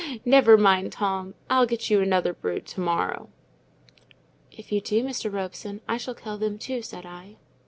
Never mind, Tom, I'll get you another brood to morrow." "If you do, Mr. Robson, I shall kill them too," said I.